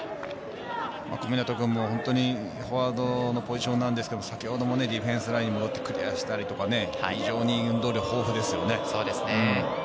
小湊君も本当にフォワードのポジションなんですけど、先ほどもディフェンスラインに戻ってクリアしたり、運動量豊富ですよね。